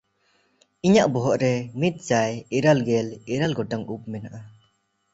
ᱤᱧᱟᱜ ᱵᱚᱦᱚᱜ ᱨᱮ ᱢᱤᱫᱥᱟᱭ ᱤᱨᱟᱹᱞᱜᱮᱞ ᱤᱨᱟᱹᱞ ᱜᱚᱴᱟᱝ ᱩᱵ ᱢᱮᱱᱟᱜᱼᱟ᱾